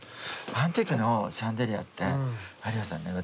アンティークのシャンデリアって有吉さんね